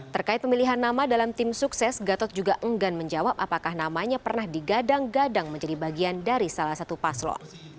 terkait pemilihan nama dalam tim sukses gatot juga enggan menjawab apakah namanya pernah digadang gadang menjadi bagian dari salah satu paslon